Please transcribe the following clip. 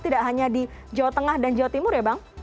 tidak hanya di jawa tengah dan jawa timur ya bang